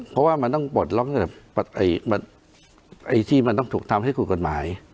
เพราะว่ามันต้องปลดล็อกที่มันต้องถูกทำให้ถูกกฎหมาย